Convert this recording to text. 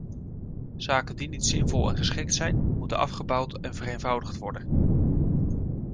Zaken die niet zinvol en geschikt zijn, moeten afgebouwd en vereenvoudigd worden.